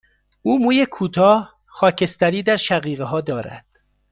او موی کوتاه، خاکستری در شقیقه ها دارد.